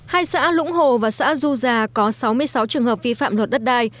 hai xã lũng hồ và xã du già có sáu mươi sáu trường hợp vi phạm luật đất đai